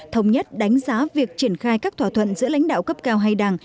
thống nhất đánh giá việc triển khai các thỏa thuận giữa lãnh đạo cấp cao hai đảng